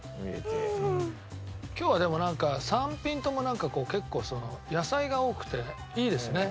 今日はでもなんか３品とも結構その野菜が多くていいですね